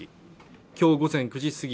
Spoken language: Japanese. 今日午前９時過ぎ